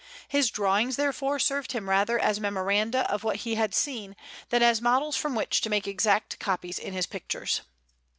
His drawings, therefore, served him rather as memoranda of what he had seen than as models from which to make exact copies in his pictures.